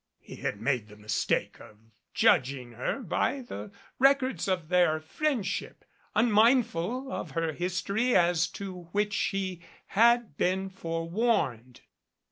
He had made the mistake of judging her by the records of their friendship, unmindful of her history as to which he had been forewarned.